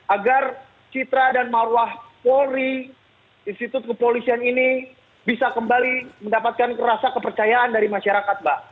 agar citra dan marwah polri institut kepolisian ini bisa kembali mendapatkan rasa kepercayaan dari masyarakat mbak